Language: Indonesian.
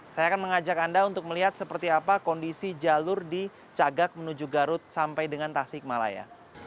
saya akan mengajak anda untuk melihat seperti apa kondisi jalur di cagak menuju garut sampai dengan tasik malaya